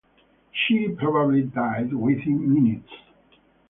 She probably died within minutes.